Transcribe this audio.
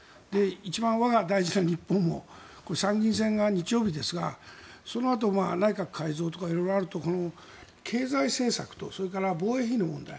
一番、我が大事な日本も参議院選挙が日曜日ですがそのあと内閣改造とか色々あると経済政策とそれから防衛費の問題。